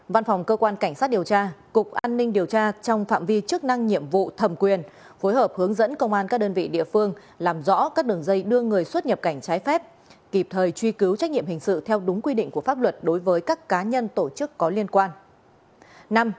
văn phòng cơ quan cảnh sát điều tra cục an ninh điều tra trong phạm vi chức năng nhiệm vụ thầm quyền phối hợp hướng dẫn công an các đơn vị địa phương làm rõ các đường dây đưa người xuất nhập cảnh trái phép kịp thời truy cứu trách nhiệm hình sự theo đúng quy định của pháp luật đối với các cá nhân tổ chức có liên quan